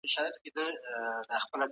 د مطالعې لپاره ارامه فضا ته اړتیا ده.